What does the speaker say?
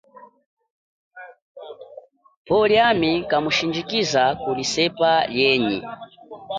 Pwo liami kamushindjikiza kuli sepa lienyi.